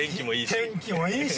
天気もいいし。